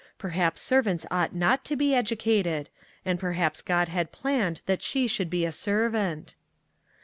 Perhaps servants ought not to be educated; and perhaps God had planned that she should be a servant.